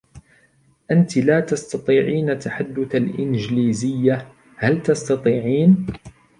أنتِ لا تستطيعين تحدث الإنجليزية, هل تستطيعين ؟